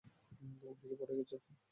উনি পড়ে গেছে।